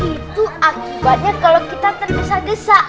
itu akibatnya kalau kita tergesa gesa